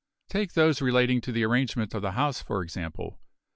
Take those relating to the arrangement of the house, for example.